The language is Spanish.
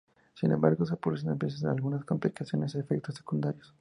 Sin embargo, se producen a veces algunas complicaciones y efectos secundarios.